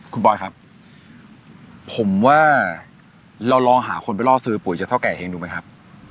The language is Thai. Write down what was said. คุณบอยครับผมว่าเราลองหาคนไปล่อซื้อปุ๋ยจากเท่าแก่เองดูไหมครับ